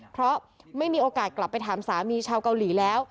เพราะไม่มีโอกาสกลับไปถามสามีชาวเกาหลีแล้ว